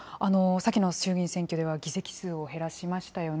先の衆議院選挙では議席数を減らしましたよね。